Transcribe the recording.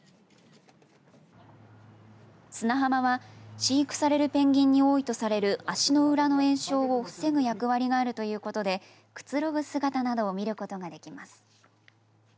砂浜は飼育されるペンギンに多いとされる足の裏の炎症を防ぐ役割があるということでくつろぐ姿などを見ることができます。